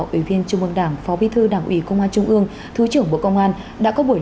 ủy viên trung mương đảng phó bí thư đảng ủy công an trung ương thứ trưởng bộ công an đã có buổi